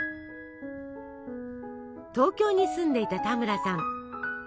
東京に住んでいた田村さん。